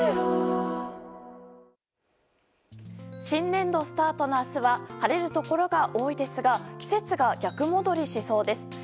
新年度スタートの明日は晴れるところが多いですが季節が逆戻りしそうです。